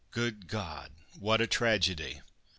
"Good God! what a tragedy!